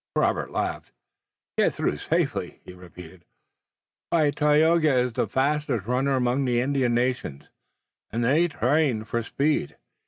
Robert laughed. "Get through safely?" he repeated. "Why, Tayoga is the fastest runner among the Indian nations, and they train for speed.